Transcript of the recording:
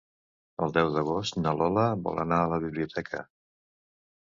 El deu d'agost na Lola vol anar a la biblioteca.